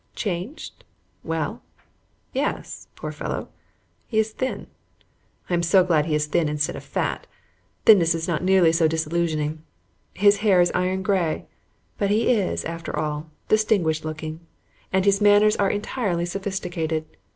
Changed? Well, yes, poor fellow! He is thin. I am so glad he is thin instead of fat; thinness is not nearly so disillusioning. His hair is iron gray, but he is, after all, distinguished looking, and his manners are entirely sophisticated.